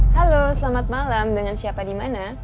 halo selamat malam dengan siapa dimana